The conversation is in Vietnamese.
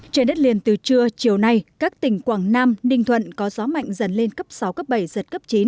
trên đất liền từ trưa chiều nay các tỉnh quảng nam ninh thuận có gió mạnh dần lên cấp sáu cấp bảy giật cấp chín